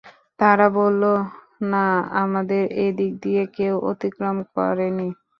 তারা বলল, না আমাদের এদিক দিয়ে কেউ অতিক্রম করেনি।